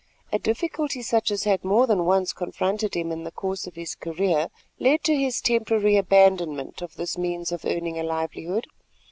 A difficulty such as had more than once confronted him in the course of his career, led to his temporary abandonment of this means of earning a livelihood.